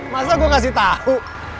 masa gue kasih tau